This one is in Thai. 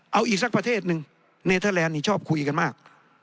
เอาอีกสักประเทศหนึ่งเนเทอร์แลนด์นี่ชอบคุยกันมาก